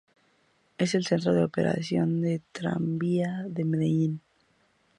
Es el centro de operación del Tranvía de Medellín.